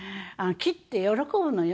木って喜ぶのよ。